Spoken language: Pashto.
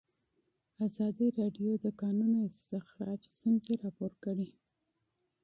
ازادي راډیو د د کانونو استخراج ستونزې راپور کړي.